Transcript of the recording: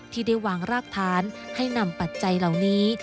ที่ได้วางรากฐานให้นำปัจจัยเหล่านี้